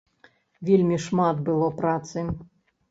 Вельмі шмат было працы.